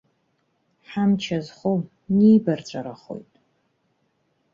Ҳамч азхом, нибарҵәарахоит.